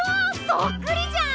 そっくりじゃん！